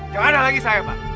jangan ada lagi saya pak